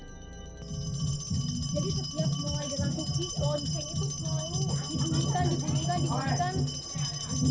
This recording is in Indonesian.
jadi setiap mulai dirasuki lonceng itu selalu didudikan didudikan didudikan